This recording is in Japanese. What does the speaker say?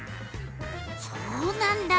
そうなんだ！